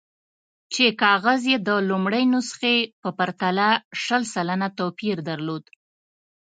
چې کاغذ یې د لومړۍ نسخې په پرتله شل سلنه توپیر درلود.